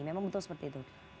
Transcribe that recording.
memang betul seperti itu